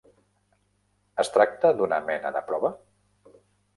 Es tracta d'una mena de prova?